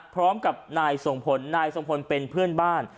พร้อมกับนายทรงพลนายทรงพลเป็นเพื่อนบ้าน